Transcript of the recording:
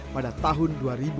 pada tahun dua ribu